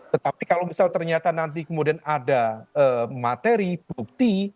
tetapi kalau misal ternyata nanti kemudian ada materi bukti